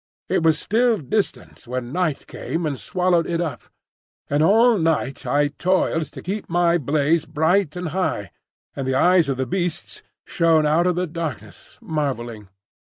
It was still distant when night came and swallowed it up; and all night I toiled to keep my blaze bright and high, and the eyes of the Beasts shone out of the darkness, marvelling.